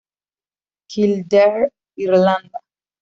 Kildare, Irlanda.